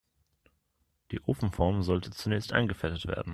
Die Ofenform sollte zunächst eingefettet werden.